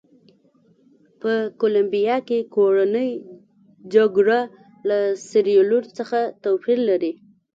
په کولمبیا کې کورنۍ جګړه له سیریلیون څخه توپیر لري.